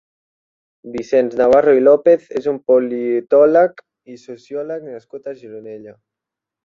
Vicenç Navarro i López és un politòleg i sociòleg nascut a Gironella.